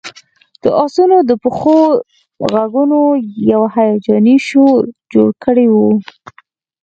د آسونو د پښو غږونو یو هیجاني شور جوړ کړی و